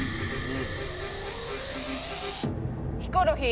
ヒコロヒー。